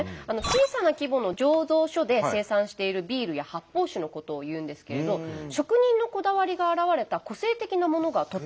小さな規模の醸造所で生産しているビールや発泡酒のことをいうんですけれど職人のこだわりが表れた個性的なものがとっても多いんですね。